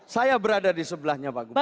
saya berada di sebelahnya pak gubernur